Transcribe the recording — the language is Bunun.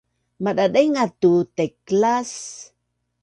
Madadaingaz tu taiklas